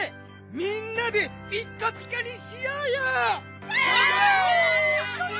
みんなでピッカピカにしようよ！